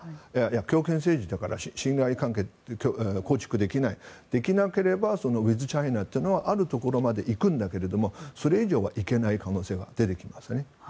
強権政治だから信頼関係構築できないできなければウィズチャイナというのはある程度のところまで行くんだけどそれ以上は行けない可能性は出てきますよね。